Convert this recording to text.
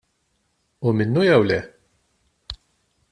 Hu minnu jew le?